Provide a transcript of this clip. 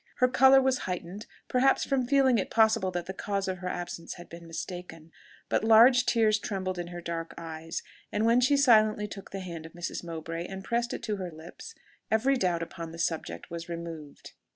Her colour was heightened, perhaps, from feeling it possible that the cause of her absence had been mistaken; but large tears trembled in her dark eyes, and when she silently took the hand of Mrs. Mowbray and pressed it to her lips, every doubt upon the subject was removed.